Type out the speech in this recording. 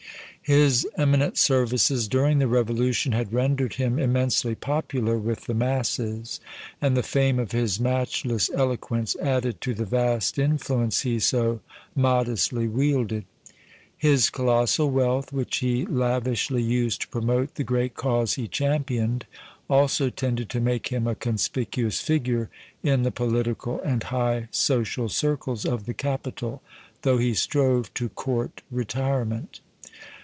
His eminent services during the revolution had rendered him immensely popular with the masses, and the fame of his matchless eloquence added to the vast influence he so modestly wielded. His colossal wealth, which he lavishly used to promote the great cause he championed, also tended to make him a conspicuous figure in the political and high social circles of the capital, though he strove to court retirement.